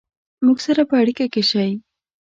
مونږ سره په اړیکه کې شئ